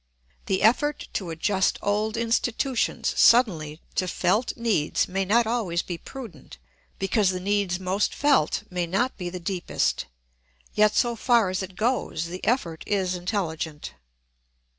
The effort to adjust old institutions suddenly to felt needs may not always be prudent, because the needs most felt may not be the deepest, yet so far as it goes the effort is intelligent.